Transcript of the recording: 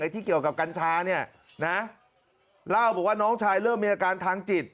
ที่เกี่ยวกับกัญชาเนี่ยนะเล่าบอกว่าน้องชายเริ่มมีอาการทางจิต